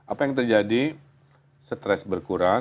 apa yang terjadi stres berkurang